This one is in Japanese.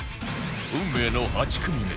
運命の８組目